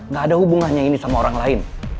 gak ada hubungannya ini sama orang lain